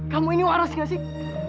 kamu ini waras gak sih